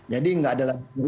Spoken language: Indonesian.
jadi tidak ada lah